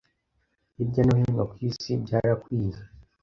hirya no hino ku isi byarakwiye